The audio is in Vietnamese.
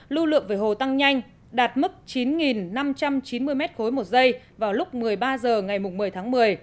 lưu lượng về hồ tăng nhanh đạt mức chín năm trăm chín mươi m ba một giây vào lúc một mươi ba h ngày một mươi tháng một mươi